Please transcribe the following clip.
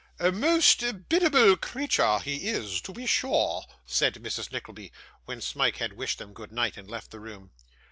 'A most biddable creature he is, to be sure,' said Mrs. Nickleby, when Smike had wished them good night and left the room.